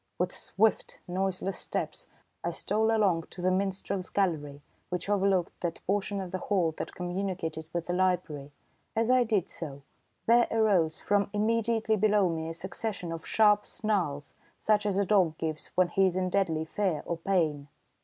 With swift, noiseless steps, I stole along to the minstrel's gallery which overlooked that portion of the hall that communicated with the library. As I did so, there arose from immediately below me a succession of sharp snarls, such as a dog gives when he is in deadly fear or pain.